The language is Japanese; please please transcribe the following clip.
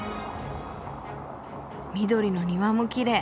緑の庭もきれい。